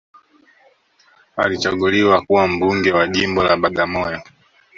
alichaguliwa kuwa mbunge wa jimbo la bagamoyo